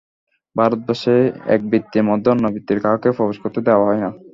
ভারতবর্ষে এক বৃত্তির মধ্যে অন্য বৃত্তির কাউকে প্রবেশ করতে দেওয়া হয় না।